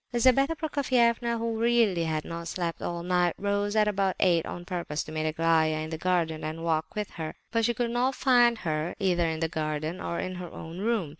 Lizabetha Prokofievna, who really had not slept all night, rose at about eight on purpose to meet Aglaya in the garden and walk with her; but she could not find her either in the garden or in her own room.